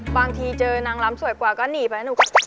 บางทีเจอนางล้ำสวยกว่าก็หนีไปหนูก็